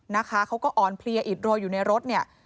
นะคะเขาก็อ่อนเพลียอิดโรยอยู่ในรถเนี่ย